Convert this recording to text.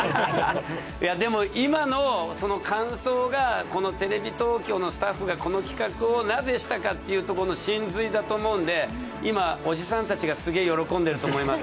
でも今の感想がこのテレビ東京のスタッフがこの企画をなぜしたかっていうとこの心髄だと思うんで今おじさんたちがすげえ喜んでると思います。